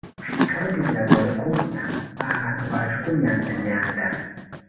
kandi biragoye kubona ahantu bajugunyanze imyanda